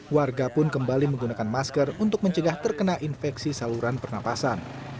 warga pun kembali menggunakan masker untuk mencegah terkena infeksi saluran pernapasan